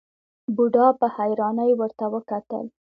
بوډا په حيرانۍ ورته وکتل.